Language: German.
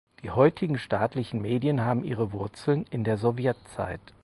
Die heutigen staatlichen Medien haben ihre Wurzeln in der Sowjetzeit.